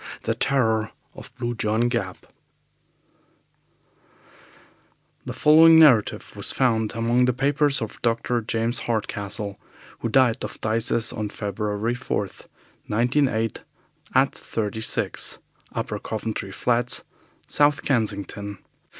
The Terror of Blue John Gap The following narrative was found among the papers of Dr. James Hardcastle, who died of phthisis on February 4th, 1908, at 36, Upper Coventry Flats, South Kensington.